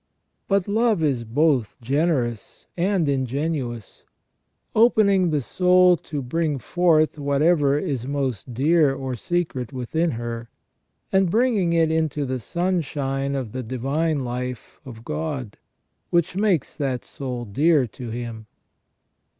But love is both generous and ingenuous, opening the soul to bring forth whatever is most dear or secret within her, and bringing it into the sunshine of the divine life of God, which makes that soul dear to Him.